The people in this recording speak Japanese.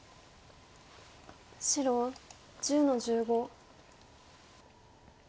白１０の十五。